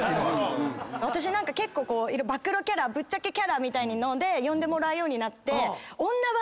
私結構暴露キャラぶっちゃけキャラみたいなので呼んでもらうようになって。